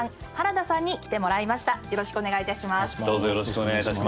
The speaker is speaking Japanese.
どうぞよろしくお願い致します。